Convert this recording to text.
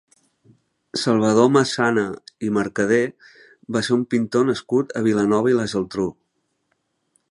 Salvador Masana i Mercadé va ser un pintor nascut a Vilanova i la Geltrú.